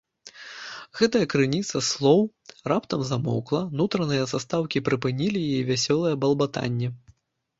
Гэтая крыніца слоў раптам замоўкла, нутраныя застаўкі прыпынілі яе вясёлае балбатанне.